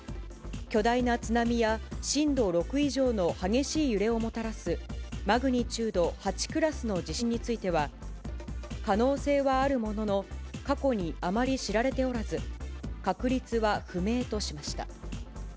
巨大な津波や震度６以上の激しい揺れをもたらす、マグニチュード８クラスの地震については、可能性はあるものの、過去にあまり知られておらず、確率は不明としました。